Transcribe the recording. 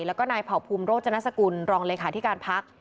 แล้วก็นายเผ่าภูมิโรจนสกุลรองเลขาธิการพัก